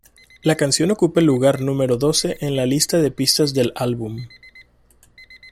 La canción ocupa el lugar número doce en la lista de pistas del álbum.